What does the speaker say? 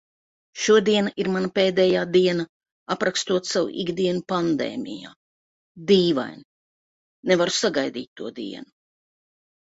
Šodiena ir mana pēdējā diena aprakstot savu ikdienu pandēmijā... dīvaini. Nevaru sagaidīt to dienu.